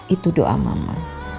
itu doa mama